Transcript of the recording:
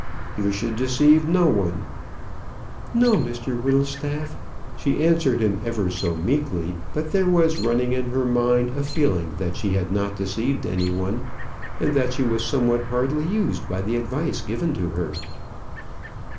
"You should deceive no one." "No, Mr Whittlestaff." She answered him ever so meekly; but there was running in her mind a feeling that she had not deceived any one, and that she was somewhat hardly used by the advice given to her.